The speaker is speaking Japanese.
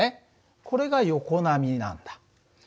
これが横波なんだ。